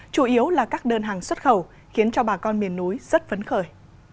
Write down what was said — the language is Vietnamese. chủ yếu là các đơn hàng xuất khẩu khiến cho bà con miền núi rất phấn khởi